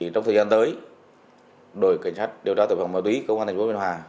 trong thời gian tới đội cảnh sát điều tra tổng phòng ma túy công an thành phố bình hòa